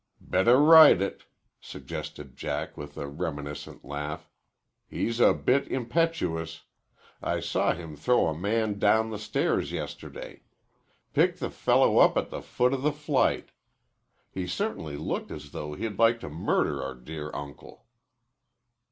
"Better write it," suggested Jack with a reminiscent laugh. "He's a bit impetuous. I saw him throw a man down the stairs yesterday. Picked the fellow up at the foot of the flight. He certainly looked as though he'd like to murder our dear uncle."